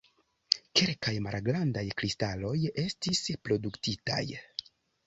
Kelkaj malgrandaj kristaloj estis produktitaj.